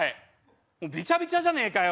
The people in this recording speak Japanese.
もうべちゃべちゃじゃねえかよ